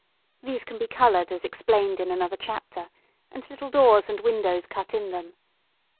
These can be coloured as explained in another chapter, and little doors and windows cut in them.